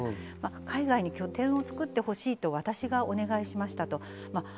海外に拠点を作ってほしいと私がお願いしましたと。